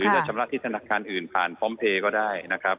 จะชำระที่ธนาคารอื่นผ่านพร้อมเพลย์ก็ได้นะครับ